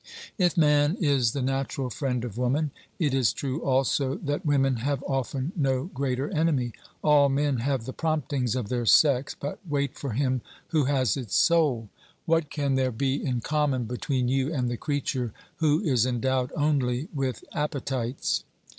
If man is the natural friend of woman, it is true also that women have often no greater enemy. All men have the promptings of their sex, but wait for him who has its soul. 340 OBERMANN What can there be in common between you and the creature who is endowed only with appetites?